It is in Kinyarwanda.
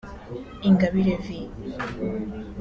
Ingabire V